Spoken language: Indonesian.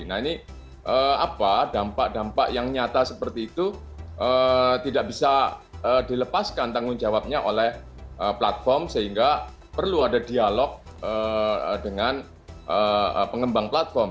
nah ini apa dampak dampak yang nyata seperti itu tidak bisa dilepaskan tanggung jawabnya oleh platform sehingga perlu ada dialog dengan pengembang platform